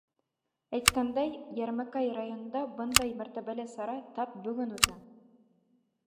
Әйткәндәй, Йәрмәкәй районында бындай мәртәбәле сара тап бөгөн үтә.